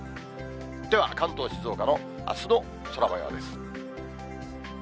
では、関東、静岡のあすの空もようです。